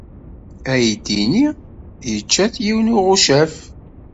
Aydi-nni yečča-t yiwen n uɣucaf.